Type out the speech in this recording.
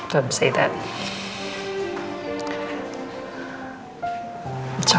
jangan bilang begitu